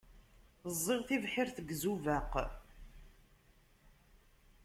Ẓẓiɣ tibḥirt deg Izubaq.